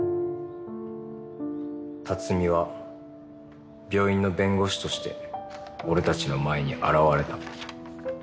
辰巳は病院の弁護士として俺たちの前に現れた。